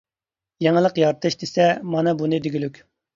‹يېڭىلىق يارىتىش› دېسە مانا بۇنى دېگۈلۈك.